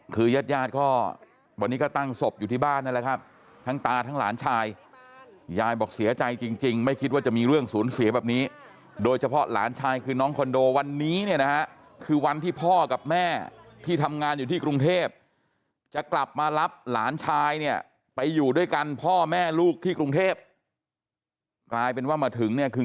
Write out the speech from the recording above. คือยาดก็วันนี้ก็ตั้งศพอยู่ที่บ้านนั่นแหละครับทั้งตาทั้งหลานชายยายบอกเสียใจจริงไม่คิดว่าจะมีเรื่องศูนย์เสียแบบนี้โดยเฉพาะหลานชายคือน้องคอนโดวันนี้เนี่ยนะฮะคือวันที่พ่อกับแม่ที่ทำงานอยู่ที่กรุงเทพจะกลับมารับหลานชายเนี่ยไปอยู่ด้วยกันพ่อแม่ลูกที่กรุงเทพกลายเป็นว่ามาถึงเนี่ยคือ